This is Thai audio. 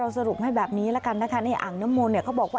สรุปให้แบบนี้ละกันนะคะในอ่างน้ำมนต์เนี่ยเขาบอกว่า